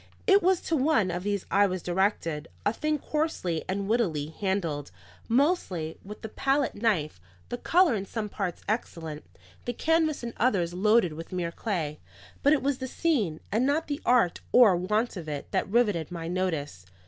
It was to one of these I was directed; a thing coarsely and wittily handled, mostly with the palette knife, the colour in some parts excellent, the canvas in others loaded with mere clay. But it was the scene, and not the art or want of it, that riveted my notice.